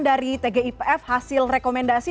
dari tgipf hasil rekomendasi